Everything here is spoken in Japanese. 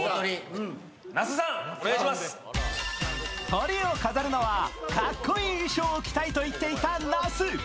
トリを飾るのはかっこいい衣装を着たいといっていた那須。